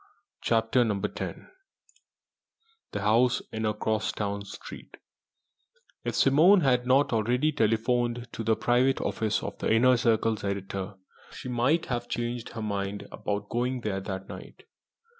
CHAPTER X THE HOUSE IN A CROSSTOWN STREET If Simone had not already telephoned to the private office of the Inner Circle's editor, she might have changed her mind about going there that night.